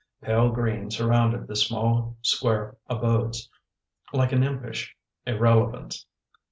Pale green surrounded the small, square abodes, like an impish irrelevance.